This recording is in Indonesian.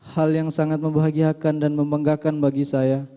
hal yang sangat membahagiakan dan membanggakan bagi saya